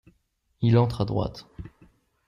Il entre à droite.